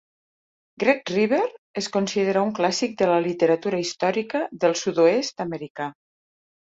"Great River" es considera un clàssic de la literatura històrica del sud-oest americà.